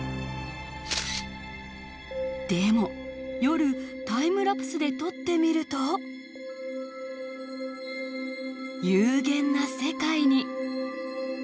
でも夜タイムラプスで撮ってみると幽玄な世界に。